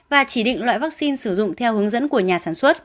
và chỉ định loại vaccine sử dụng theo hướng dẫn của nhà sản xuất